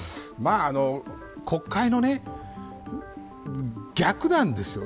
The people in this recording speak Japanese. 国会の逆なんですよ。